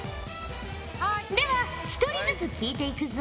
では１人ずつ聞いていくぞ。